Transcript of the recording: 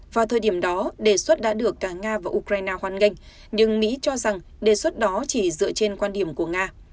vào thời điểm đó đề xuất đã được cả nga và ukraine hoan nghênh nhưng mỹ cho rằng đề xuất đó chỉ dựa trên quan điểm của nga